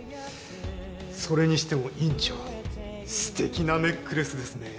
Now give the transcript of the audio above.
それにしても院長すてきなネックレスですね。